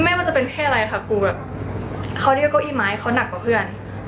ไม่ว่าจะเป็นเพศอะไรค่ะครูแบบเขาเรียกว่าเก้าอี้ไม้เขาหนักกว่าเพื่อน